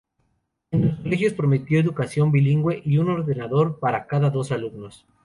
En los colegios prometió educación bilingüe y un ordenador para cada dos alumnos.